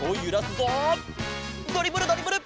ドリブルドリブル